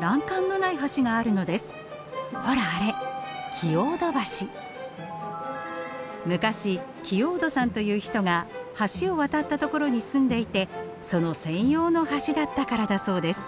ほらあれ昔キオードさんという人が橋を渡ったところに住んでいてその専用の橋だったからだそうです。